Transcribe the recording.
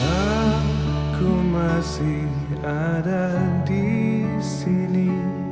aku masih ada disini